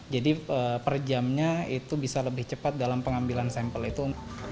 jadi per jamnya itu bisa lebih cepat dalam pengambilan sampel itu